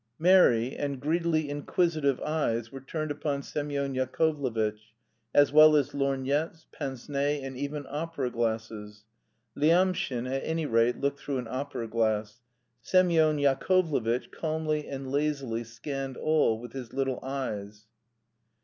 Merry and greedily inquisitive eyes were turned upon Semyon Yakovlevitch, as well as lorgnettes, pince nez, and even opera glasses. Lyamshin, at any rate, looked through an opera glass. Semyon Yakovlevitch calmly and lazily scanned all with his little eyes.